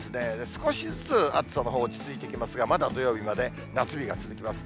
少しずつ暑さのほう、落ち着いてきますが、まだ土曜日まで夏日が続きます。